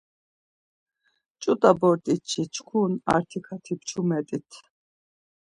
Ç̌ut̆a bort̆itşi çku artiǩati pçumet̆it.